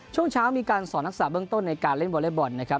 ช่วงเช้ามีการสอนรักษาเบื้องต้นในการเล่นวอเล็กบอลนะครับ